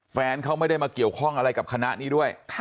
แฟนเขาไม่ได้มาเกี่ยวข้องอะไรกับคณะนี้ด้วย